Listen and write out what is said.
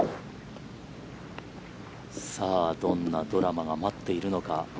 さあ、どんなドラマが待っているのか。